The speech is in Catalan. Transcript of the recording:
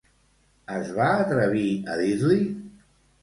Es va atrevir a dir-li?